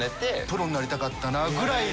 プロになりたかったなぐらい。